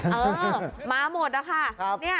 เออมาหมดแล้วค่ะ